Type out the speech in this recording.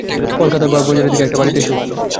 কলকাতায় বাগবাজারের দিকে একটা বাড়িতে এসে উঠল।